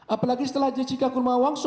apalagi setelah jessica kumala wongso